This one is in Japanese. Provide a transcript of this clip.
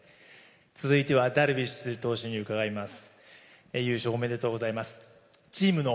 続いてはダルビッシュ投手に伺います。